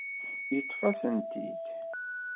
Yeṭṭef-as-tent-id.